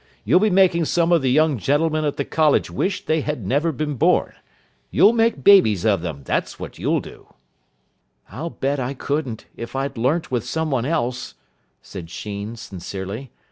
You'll be making some of the young gentlemen at the college wish they had never been born. You'll make babies of them, that's what you'll do." "I'll bet I couldn't, if I'd learnt with some one else," said Sheen, sincerely.